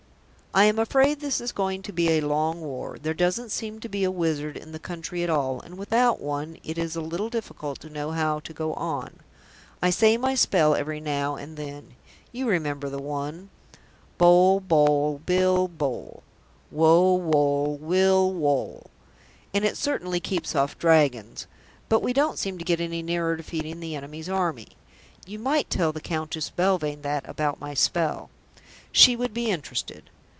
"I am afraid this is going to be a long war. There doesn't seem to be a wizard in the country at all, and without one it is a little difficult to know how to go on. I say my spell every now and then you remember the one: 'Bo, boll, bill bole. Wo, woll, will, wole.' and it certainly keeps off dragons, but we don't seem to get any nearer defeating the enemy's army. You might tell the Countess Belvane that about my spell; she would be interested.